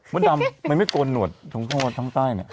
มดดำมันไม่โกนหนวดถึงข้างบนข้างใต้เนี่ย